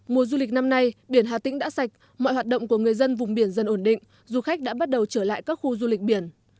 mùa du lịch năm nay biển hà tĩnh đã sạch mọi hoạt động của người dân vùng biển dần ổn định du khách đã bắt đầu trở lại các khu du lịch biển